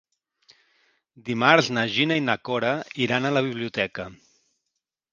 Dimarts na Gina i na Cora iran a la biblioteca.